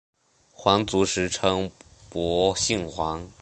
皇族时称博信王。